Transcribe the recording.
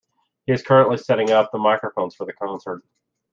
He is currently setting up the microphones for the concert.